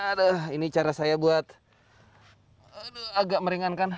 aduh ini cara saya buat aduh agak meringankan